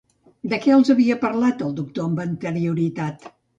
De què els havia parlat el doctor amb anterioritat?